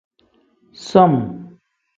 Som.